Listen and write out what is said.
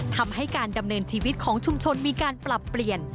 ทำให้การดำเนินชีวิตของชุมชนมีการปรับเปลี่ยน